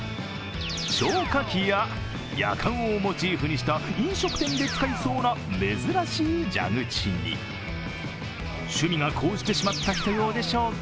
消火器や、やかんをモチーフにした飲食店で使いそうな珍しい蛇口に趣味が高じてしまった人用でしょうか？